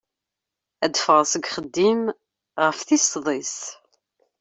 Ad d-ffɣeɣ seg yixeddim ɣef tis sḍis.